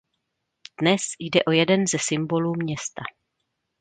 Dnes jde o jeden ze symbolů města.